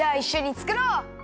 つくろう！